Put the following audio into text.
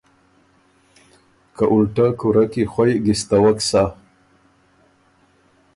که اُلټۀ کُورۀ کی خوئ ګِستوک سۀ۔